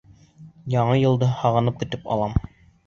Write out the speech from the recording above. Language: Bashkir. — Яңы йылды һағынып көтөп алам.